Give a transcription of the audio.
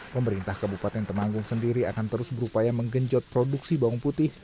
pemerintah kabupaten temanggung sendiri akan terus berupaya menggenjot produksi bawang putih